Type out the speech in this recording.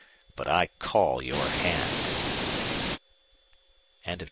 But I call your hand!"